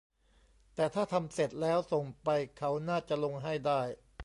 แต่ถ้าทำเสร็จแล้วส่งไปเขาน่าจะลงให้ได้